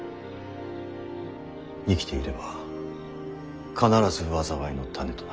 生きていれば必ず災いの種となる。